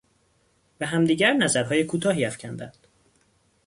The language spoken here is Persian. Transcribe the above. به همدیگر نظرهای کوتاهی افکندند.